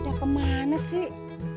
dia kemana sih